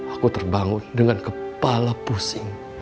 aku terbangun dengan kepala pusing